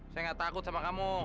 saya gak takut sama kamu